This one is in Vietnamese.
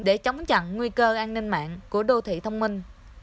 để chống chặn nguy cơ an ninh mạng của đô thị thông minh